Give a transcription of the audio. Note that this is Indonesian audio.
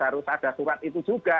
harus ada surat itu juga